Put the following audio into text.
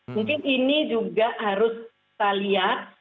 mungkin ini juga harus kita lihat